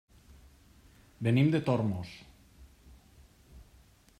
Venim de Tormos.